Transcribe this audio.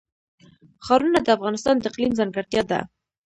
ښارونه د افغانستان د اقلیم ځانګړتیا ده.